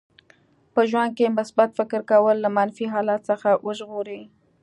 په ژوند کې مثبت فکر کول له منفي حالت څخه وژغوري.